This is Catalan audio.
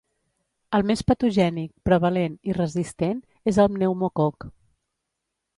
El més patogènic, prevalent i resistent és el pneumococ.